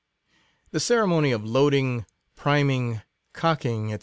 The ceremony of loading, priming, cock ing, &c.